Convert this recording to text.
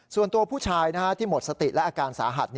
ส่วนตัวผู้ชายที่หมดสติและอาการสาหัส